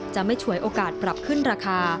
จะไม่ฉวยโอกาสปรับขึ้นราคา